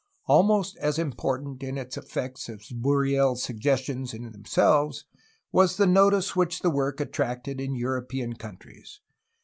Almost as important in its effects as BurrieFs suggestions in themselves was the notice which the work attracted in European countries.